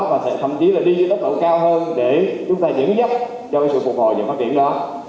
và sẽ thậm chí là đi dưới đất lậu cao hơn để chúng ta giữ giấc cho sự phục hồi và phát triển đó